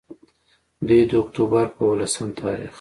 دوي د اکتوبر پۀ ولسم تاريخ